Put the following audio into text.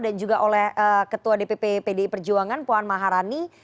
dan juga oleh ketua dpp pdi perjuangan puan maharani